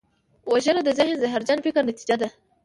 وژنه د ذهن زهرجن فکر نتیجه ده